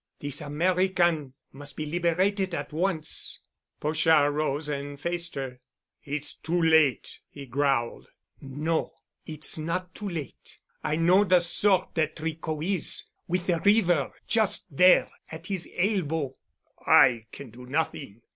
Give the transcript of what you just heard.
"This American must be liberated at once!" Pochard rose and faced her. "It's too late," he growled, "No. It's not too late. I know the sort that Tricot is—with the river just there—at his elbow." "I can do nothing.